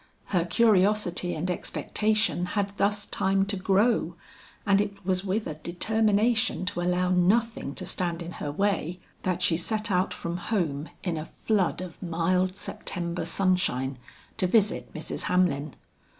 Her curiosity and expectation had thus time to grow, and it was with a determination to allow nothing to stand in her way, that she set out from home in a flood of mild September sunshine, to visit Mrs. Hamlin.